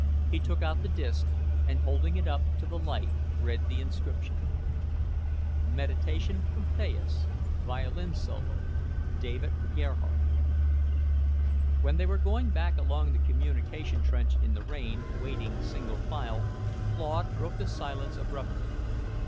He took out the disk, and holding it up to the light, read the inscription: "Meditation from Thais Violin solo David Gerhardt." When they were going back along the communication trench in the rain, wading single file, Claude broke the silence abruptly.